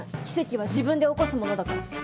奇跡は自分で起こすものだから。